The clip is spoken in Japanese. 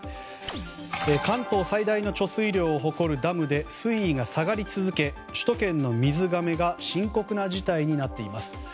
関東最大の貯水量を誇るダムで水位が下がり続け首都圏の水がめが深刻な事態になっています。